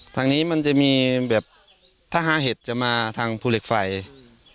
ทางนี้มันจะมีแบบถ้าฮาเห็ดจะมาทางภูเหล็กไฟอืม